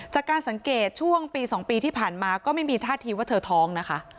จากการสังเกตช่วงปี๒ปีที่ผ่านมาก็ไม่มีท่าทีว่าเธอท้องนะคะ